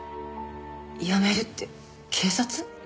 辞めるって警察？